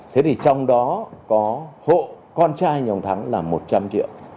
thế thì trong đó có hộ con trai nhà ông thắng là một trăm linh triệu